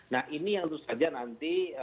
nah ini harus saja nanti